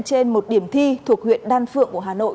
trên một điểm thi thuộc huyện đan phượng của hà nội